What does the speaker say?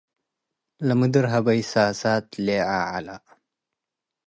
ለምድር ሀበይ ሳሳት ሌዐ ዐለ።